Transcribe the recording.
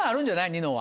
ニノは。